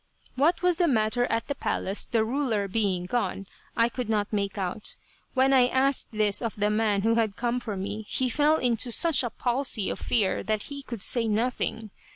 What was the matter at the palace the ruler being gone, I could not make out. When I asked this of the man who had come for me, he fell into such a palsy of fear that he could say nothing.